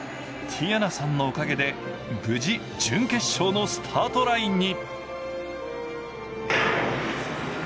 ティヤナさんのおかげで無事、準決勝のスタートラインに。